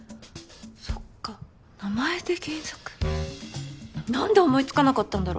そっか名前で検索何で思いつかなかったんだろ。